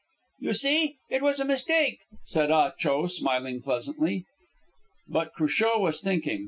"You see, it was a mistake," said Ah Cho, smiling pleasantly. But Cruchot was thinking.